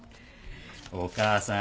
お母さん。